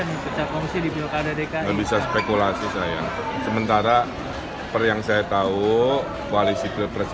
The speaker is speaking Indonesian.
ini pecah kongsi di pilkada dki bisa spekulasi saya sementara per yang saya tahu koalisi pilpres